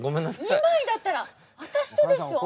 ２枚だったら私とでしょう。